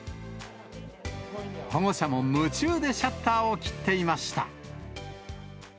保護者も夢中でシャッターを切っていました。